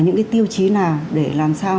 những tiêu chí nào để làm sao